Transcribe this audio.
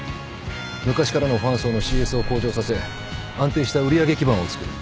昔からのファン層のＣＳを向上させ安定した売り上げ基盤をつくる。